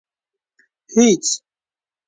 هېڅ.